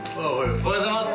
おはようございます！